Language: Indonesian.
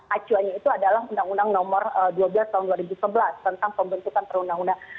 acuannya itu adalah undang undang nomor dua belas tahun dua ribu sebelas tentang pembentukan perundang undang